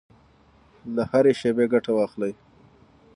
له هرې شېبې ګټه واخلئ.